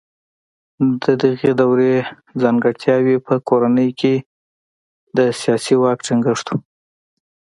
د دغې دورې ځانګړتیاوې په کورنۍ کې د سیاسي واک ټینګښت و.